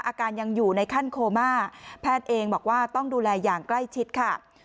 อาการยังอยู่ในขั้นโคม่าแพทย์เองบอกว่าต้องดูแลอย่างใกล้ชิดค่ะ